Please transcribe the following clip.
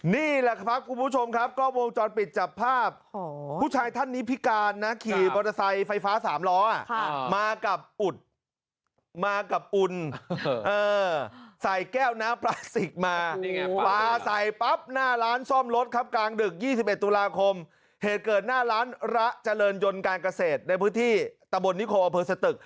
นี่แหละครับคุณผู้ชมครับก็วงจรปิดจับภาพผู้ชายท่านนี้พิการนะขี่มอเตอร์ไซค์ไฟฟ้า๓ล้อมากับอุดมากับอุ่นใส่แก้วน้ำปลาสิกมาปลาใส่ปั๊บหน้าร้านซ่อมรถครับกลางดึก๒๑ตุลาคมเหตุเกิดหน้าร้านระเจริญยนต์การเกษตรในพื้นที่ตะบนนิโคอำเภอสตึก